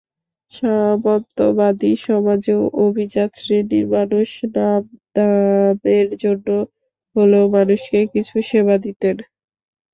সামন্তবাদী সমাজেও অভিজাত শ্রেণির মানুষ নামধামের জন্য হলেও মানুষকে কিছু সেবা দিতেন।